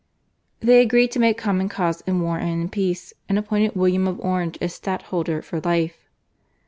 They agreed to make common cause in war and in peace, and appointed William of Orange as Stadtholder for life.